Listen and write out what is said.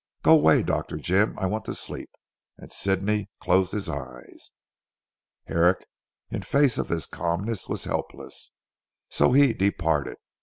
Go away, Dr. Jim, I want to sleep," and Sidney closed his eyes. Herrick, in the face of this calmness, was helpless, so he departed.